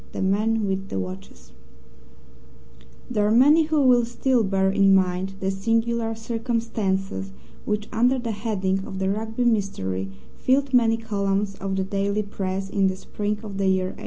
The Man with the Watches There are many who will still bear in mind the singular circumstances which, under the heading of the Rugby Mystery, filled many columns of the daily Press in the spring of the year 1892.